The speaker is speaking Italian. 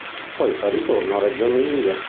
Poi fa ritorno a Reggio Emilia.